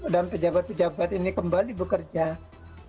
dan pejabat pejabat ini kembali buka kantor ini